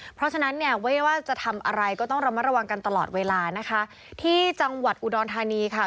เพราะฉะนั้นเนี่ยไม่ว่าจะทำอะไรก็ต้องระมัดระวังกันตลอดเวลานะคะที่จังหวัดอุดรธานีค่ะ